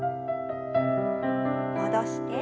戻して。